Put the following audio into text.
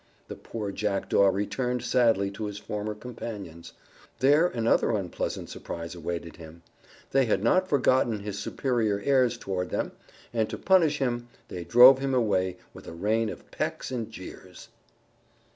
The poor Jackdaw returned sadly to his former companions. There another unpleasant surprise awaited him. They had not forgotten his superior airs toward them, and, to punish him, they drove him away with a rain of pecks and jeers.